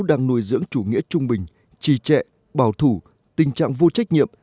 đang nuôi dưỡng chủ nghĩa trung bình trì trệ bảo thủ tình trạng vô trách nhiệm